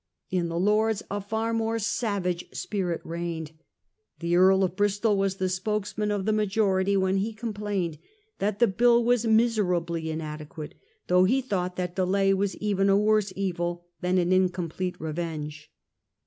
In the Lords a far more savage spirit reigned. The Earl of Bristol was the spokesman of the majority, when he complained that the bill was miserably inade quate, though he thought that delay was even a worse evil than an incomplete revenge.